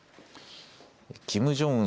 キム・ジョンウン